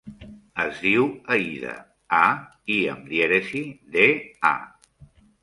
Es diu Aïda: a, i amb dièresi, de, a.